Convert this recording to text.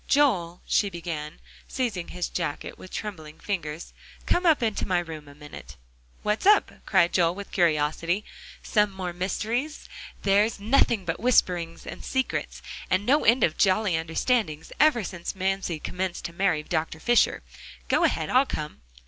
"Joel," she began, seizing his jacket with trembling fingers, "come up into my room a minute." "What's up?" cried Joel with curiosity; "some more mysteries? There's nothing but whisperings, and secrets, and no end of jolly understandings, ever since Mamsie commenced to marry Dr. Fisher. Go ahead, I'll come."